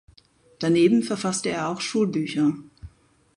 Daneben verfasste er auch Schulbücher.